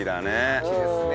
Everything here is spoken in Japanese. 秋ですね。